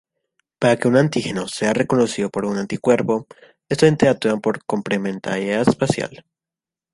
Para que un antígeno sea reconocido por un anticuerpo, estos interactúan por complementariedad espacial.